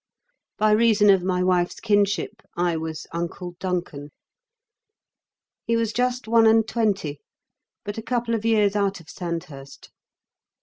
By reason of my wife's kinship, I was "Uncle Duncan." He was just one and twenty, but a couple of years out of Sandhurst.